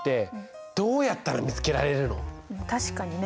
確かにね。